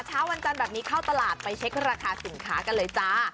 เช้าวันจันทร์แบบนี้เข้าตลาดไปเช็คราคาสินค้ากันเลยจ้า